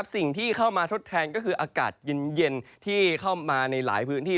สิ่งที่เข้ามาทดแทนก็คืออากาศเย็นที่เข้ามาในหลายพื้นที่